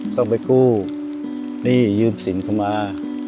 ต้องไปกู้หนี้ยืมสินเข้ามา